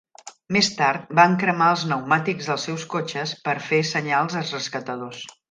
Més tard, van cremar els pneumàtics dels seus cotxes per a fer senyals als rescatadors.